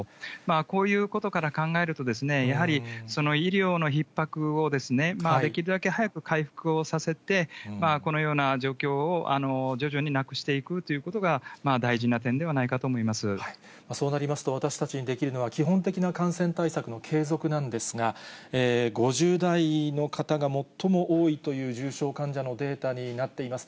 こういうことから考えると、やはりその医療のひっ迫を、できるだけ早く回復をさせて、このような状況を徐々になくしていくということが大事な点ではなそうなりますと、私たちにできるのは基本的な感染対策の継続なんですが、５０代の方が最も多いという重症患者のデータになっています。